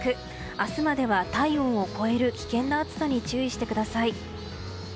明日までは体温を超える危険な暑さに注意してください。